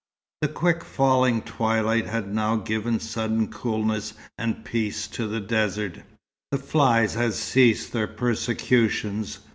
The quick falling twilight had now given sudden coolness and peace to the desert. The flies had ceased their persecutions.